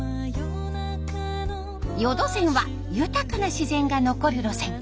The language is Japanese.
予土線は豊かな自然が残る路線。